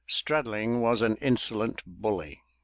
Straddling was an insolent bully.